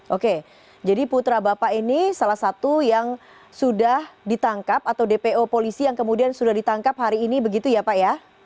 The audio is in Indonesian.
oke jadi putra bapak ini salah satu yang sudah ditangkap atau dpo polisi yang kemudian sudah ditangkap hari ini begitu ya pak ya